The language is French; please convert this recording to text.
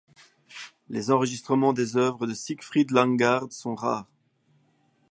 Les enregistrements des œuvres de Siegfried Langgaard sont rares.